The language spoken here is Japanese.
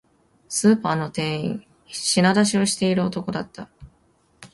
スーパーの店員、品出しをしている男だった